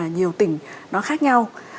nhiều tỉnh nó khác nhau